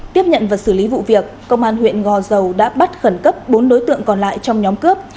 tiếp nhận và xử lý vụ việc công an huyện gò dầu đã bắt khẩn cấp bốn đối tượng còn lại trong nhóm cướp